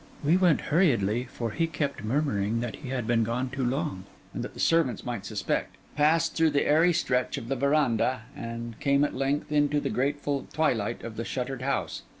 We went hurriedly, for he kept murmuring that he had been gone too long, and that the servants might suspect; passed through the airy stretch of the verandah; and came at length into the grateful twilight of the shuttered house.